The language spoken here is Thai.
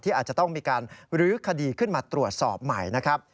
อาจจะต้องมีการลื้อคดีขึ้นมาตรวจสอบใหม่นะครับ